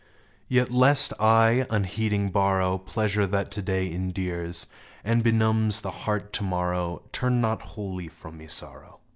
Yet — lest I, unheeding, borrow Pleasure that to day endears And benumbs the heart to morrow — Turn not wholly from me. Sorrow